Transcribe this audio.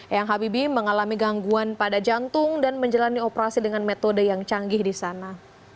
eyang habibie mengalami gangguan pada jantung dan menjalani operasi dengan metode yang canggih di sana